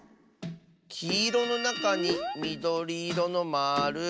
きいろのなかにみどりいろのまる。